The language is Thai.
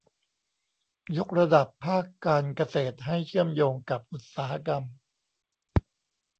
ยกระดับภาคการเกษตรให้เชื่อมโยงกับอุตสาหกรรม